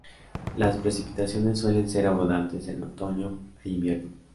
Las precipitaciones suelen ser abundantes en otoño e invierno.